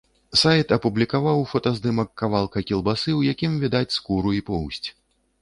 Сайт апублікаваў фотаздымак кавалка кілбасы, у якім відаць скуру і поўсць.